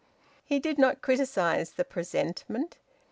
He did not criticise the presentment.